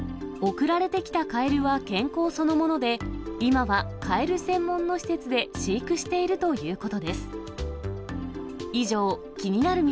送られてきたカエルは健康そのもので、今はカエル専門の施設で飼育しているということです。